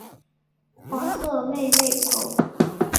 黄色妹妹头。